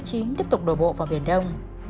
tiếp tục đổ bộ vào biển đông